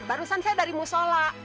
barusan saya dari mu sholat